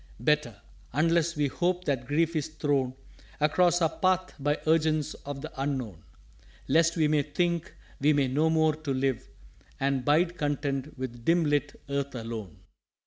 _" "Better unless we hope that grief is thrown Across our Path by urgence of the Unknown, Lest we may think we have no more to live And bide content with dim lit Earth alone."